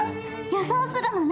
予想するのね。